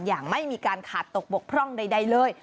อย่างไม่มีการขาดตกบกพร่องใดเลย